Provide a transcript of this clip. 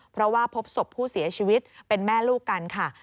เพราะว่าพบศพผู้เสียชีวิตเป็นแม่ลูกกันค่ะ